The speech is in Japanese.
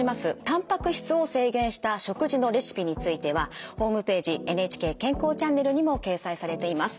たんぱく質を制限した食事のレシピについてはホームページ「ＮＨＫ健康チャンネル」にも掲載されています。